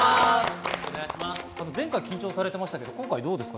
前回、緊張されてましたけど今回どうですか？